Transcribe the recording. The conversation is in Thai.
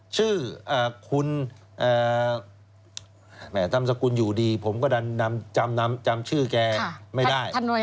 ชื่อคุณแหม่นธรรมสกุลอยู่ดีผมก็จำชื่อแกไม่ได้